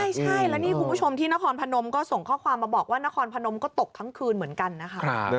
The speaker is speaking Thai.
ใช่แล้วนี่คุณผู้ชมที่นครพนมก็ส่งข้อความมาบอกว่านครพนมก็ตกทั้งคืนเหมือนกันนะคะ